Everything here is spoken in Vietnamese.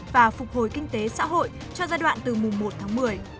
và phục hồi kinh tế xã hội cho giai đoạn từ mùa một tháng một mươi